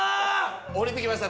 降りてきました？